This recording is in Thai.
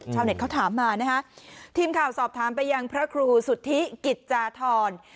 ชาวเน็ตเขาถามมานะฮะทีมข่าวสอบถามไปยังพระครูสุทธิกิจจาธร